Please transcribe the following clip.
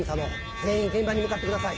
全員現場に向かってください。